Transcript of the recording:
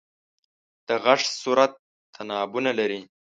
د غږ صورت تنابونه لري.